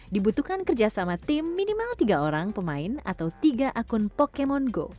dibutuhkan kerjasama tim minimal tiga orang pemain atau tiga akun pokemon go